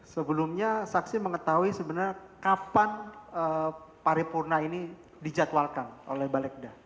sebelumnya saksi mengetahui sebenarnya kapan paripurna ini dijadwalkan oleh balegda